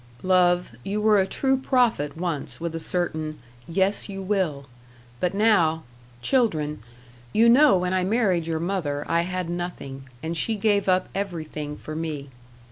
"Love, you were a true prophet once, with a certain 'Yes, you will,' but now Children, you know when I married your mother I had nothing, and she gave up everything for me.